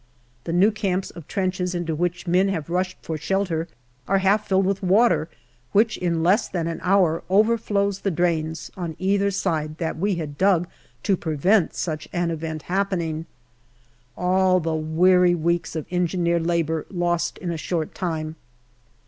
The new camps of trenches into which men have rushed for shelter are half filled with water, which, in less than an hour, over flows the drains on either side that we had dug to prevent such an event happening. All the weary weeks of Engineer labour lost in a short time.